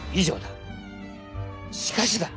しかしだ！